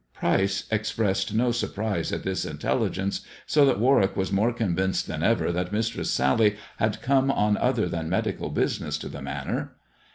Pryce expressed no surprise at this intelligence, so that Warwick was more convinced than ever that Mistress Sally had come on other than medical business to the Manor.